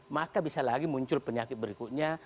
maka bisa lagi muncul penyakit berikutnya